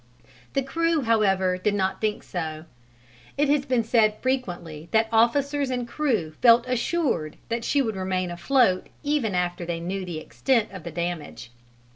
The crew, however, did not think so. It has been said frequently that the officers and crew felt assured that she would remain afloat even after they knew the extent of the damage.